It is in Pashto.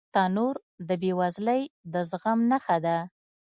تنور د بې وزلۍ د زغم نښه ده